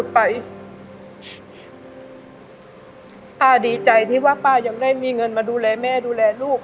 ป้าดีใจที่ว่าป้ายังได้มีเงินมาดูแลแม่ดูแลลูก